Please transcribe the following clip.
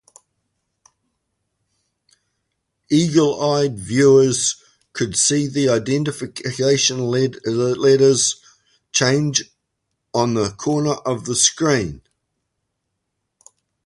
Eagle-eyed viewers could see the identification letters change on the corner of the screen.